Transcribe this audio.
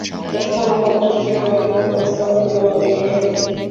katika mwamba Ukristo uko Afrika katika wingi wa madhehebu